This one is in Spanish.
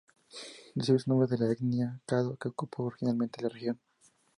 Recibe su nombre de la etnia caddo que ocupó originalmente la región.